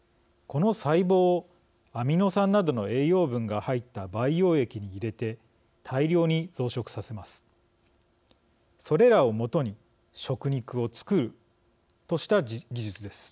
この細胞をアミノ酸などの栄養分が入った培養液に入れて大量に増殖させます。